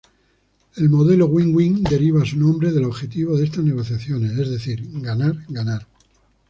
El modelo Win-Win deriva su nombre del objetivo de estas negociaciones, es decir, "ganar-ganar".